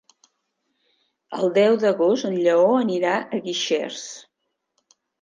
El deu d'agost en Lleó anirà a Guixers.